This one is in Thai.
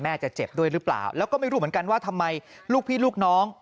จะเจ็บด้วยหรือเปล่าแล้วก็ไม่รู้เหมือนกันว่าทำไมลูกพี่ลูกน้อง